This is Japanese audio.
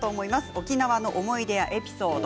沖縄の思い出やエピソード